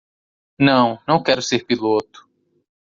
Não, não quero ser piloto.